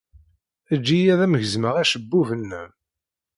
Eǧǧ-iyi ad am-gezmeɣ acebbub-nnem!